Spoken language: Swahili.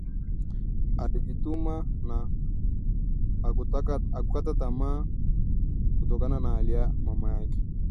Alijituma na hakukata tamaa kutokana na hali ya mama yake